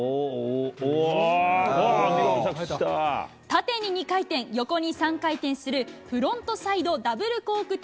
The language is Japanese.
縦に２回転、横に３回転する、フロントサイドダブルコーク１０８０